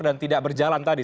dan tidak berjalan tadi